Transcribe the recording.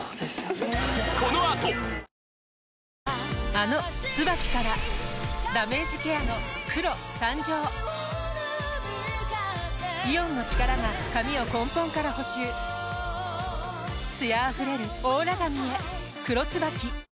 あの「ＴＳＵＢＡＫＩ」からダメージケアの黒誕生イオンの力が髪を根本から補修艶あふれるオーラ髪へ「黒ＴＳＵＢＡＫＩ」